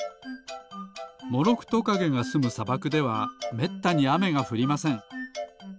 モロクトカゲがすむさばくではめったにあめがふりません。